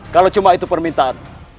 kalau cuma itu permintaanmu